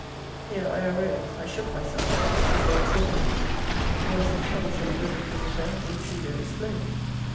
Here I arose. I shook myself. The window was open. Always the troublesome bosom visiter, the intruder, is flown.